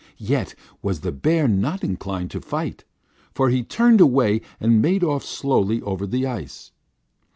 "Yet was the bear not inclined to fight, for he turned away and made off slowly over the ice.